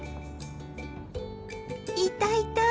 いたいた！